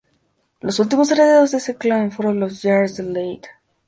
Los últimos herederos de ese clan fueron los Jarls de Lade.